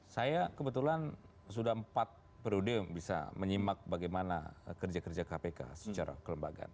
saya kebetulan sudah empat periode bisa menyimak bagaimana kerja kerja kpk secara kelembagaan